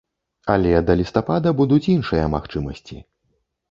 Але да лістапада будуць іншыя магчымасці.